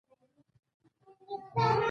د ټوپکونو او بمونو سوداګري یې زموږ نه ده.